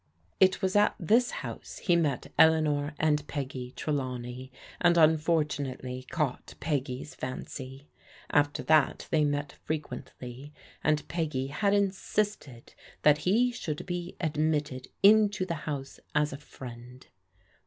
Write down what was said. It was at this house he met Eleanor and Peggy Tre lawney, and unfortunately caught Peggy's fancy. After that tihey met frequently, and Peggy had insisted that he should be admitted into the house as a friend.